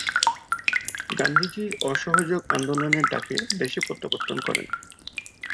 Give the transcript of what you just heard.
গান্ধীজির অসহযোগ আন্দোলনের ডাকে দেশে প্রত্যাবর্তন করেন।